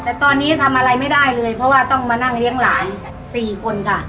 แต่ตอนนี้ทำอะไรไม่ได้เลยเพราะว่าต้องมานั่งเลี้ยงหลาน๔คนค่ะ